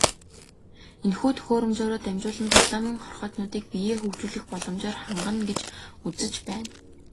Энэхүү төхөөрөмжөөрөө дамжуулан тоглоомын хорхойтнуудыг биеэ хөгжүүлэх боломжоор хангана гэж үзэж байна.